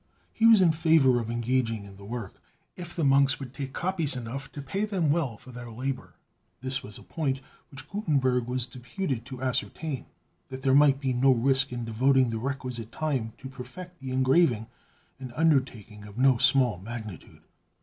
He was in favor of engaging in the work, if the monks would take copies enough to pay them well for their labor. This was a point which Gutenberg was deputed to ascertain, that there might be no risk in devoting the requisite time to perfect the engraving, an undertaking of no small magnitude.